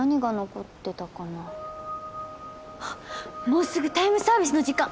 もうすぐタイムサービスの時間！